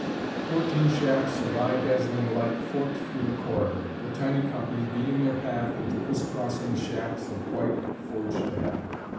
Fourteen shafts of eye dazzling light forked through the corridor. The tiny company, beating their path with criss crossing shafts of white, forged ahead.